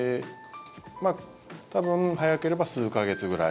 多分、早ければ数か月ぐらい。